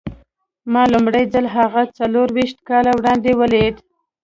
ما لومړی ځل هغه څلور ويشت کاله وړاندې وليد.